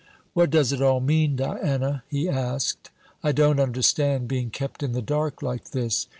"What does it all mean, Diana?" he asked. "I don't understand being kept in the dark like this.